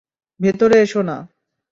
ভেতরে এসো না।